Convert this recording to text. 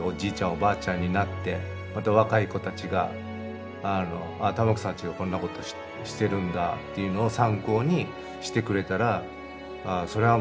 おばあちゃんになってまた若い子たちがああ玉城さんちはこんなことしてるんだっていうのを参考にしてくれたらそりゃあ